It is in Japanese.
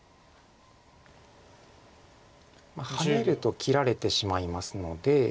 ハネると切られてしまいますので。